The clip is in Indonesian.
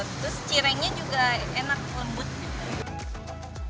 terus cirengnya juga enak lembut gitu